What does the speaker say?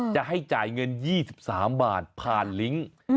จะให้จ่ายเงิน๒๓บาทผ่านลิงค์